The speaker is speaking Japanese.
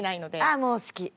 ああもう好き。